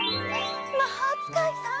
まほうつかいさん。